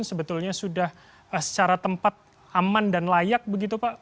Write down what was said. sebetulnya sudah secara tempat aman dan layak begitu pak